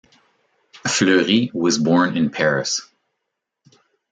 Fleury was born in Paris.